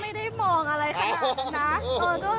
ไม่ได้มองอะไรขนาดนั้นนะ